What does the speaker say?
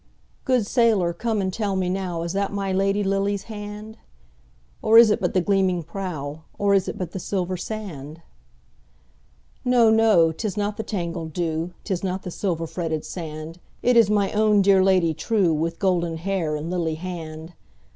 Good sailor come and tell me nowIs that my Lady's lily hand? Or is it but the gleaming prow, Or is it but the silver sand? No! no! 'tis not the tangled dew,'Tis not the silver fretted sand, It is my own dear Lady trueWith golden hair and lily hand!